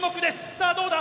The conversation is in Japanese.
さぁどうだ？